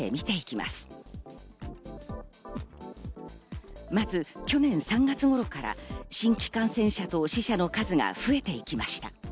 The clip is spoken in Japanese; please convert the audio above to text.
まず去年３月頃から新規感染者と死者の数が増えていきました。